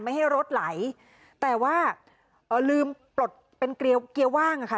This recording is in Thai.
ไม่ให้รถไหลแต่ว่าเอ่อลืมปลดเป็นเกลียวเกียร์ว่างอะค่ะ